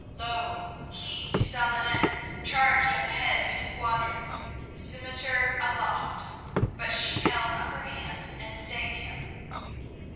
Lo! he, Salah ed din, charged at the head of his squadrons, scimitar aloft, but she held up her hand and stayed him.